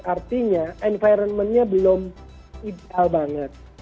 artinya environmentnya belum ideal banget